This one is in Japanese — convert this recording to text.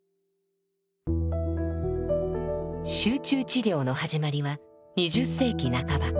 集中治療の始まりは２０世紀半ば。